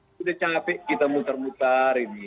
sudah capek kita mutar mutar ini